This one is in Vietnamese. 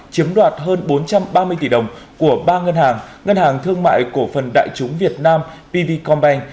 chiếm đoạt hơn bốn trăm ba mươi tỷ đồng của ba ngân hàng ngân hàng thương mại cổ phần đại chúng việt nam pv combine